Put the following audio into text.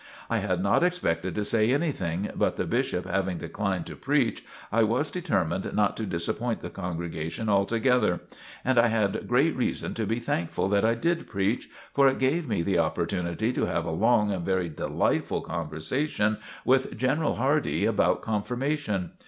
I had not expected to say anything, but the Bishop having declined to preach, I was determined not to disappoint the congregation altogether. And I had great reason to be thankful that I did preach, for it gave me the opportunity to have a long and very delightful conversation with General Hardee about confirmation.